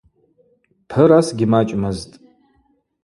Пырас гьмачӏмызтӏ.